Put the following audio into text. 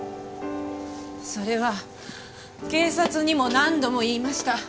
それは警察にも何度も言いました。